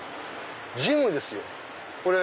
ジムですよ。